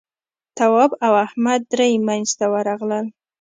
تواب او احمد درې مينځ ته ورغلل.